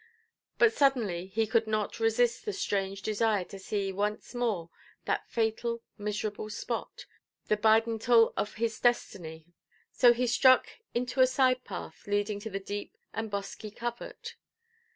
But suddenly he could not resist the strange desire to see once more that fatal, miserable spot, the bidental of his destiny. So he struck into a side–path leading to the deep and bosky covert.